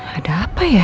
ada apa ya